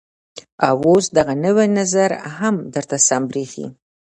او اوس دغه نوى نظر هم درته سم بريښي.